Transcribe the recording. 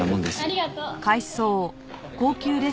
ありがとう。